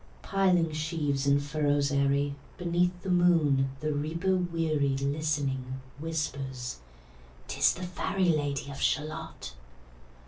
Piling the sheaves in furrows airy, Beneath the moon, the reaper weary Listening whispers, "'tis the fairy Lady of Shalott."